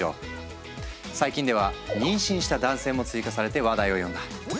最近では妊娠した男性も追加されて話題を呼んだ。